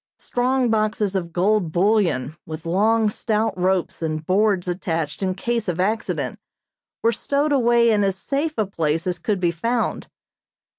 Strong boxes of gold bullion, with long, stout ropes and boards attached in case of accident, were stowed away in as safe a place as could be found.